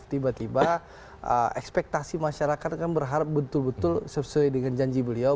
tiba tiba ekspektasi masyarakat kan berharap betul betul sesuai dengan janji beliau